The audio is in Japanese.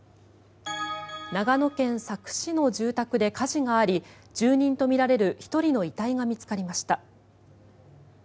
長野県佐久市の住宅で火事があり住人とみられる１人の遺体が見つかりました。